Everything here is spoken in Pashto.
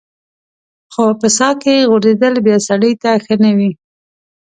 خو په څاه کې غورځېدل بیا سړی ته ښه نه وي.